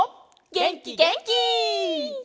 げんきげんき！